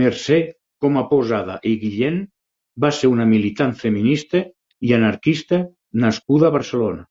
Mercè Comaposada i Guillén va ser una militant feminista i anarquista nascuda a Barcelona.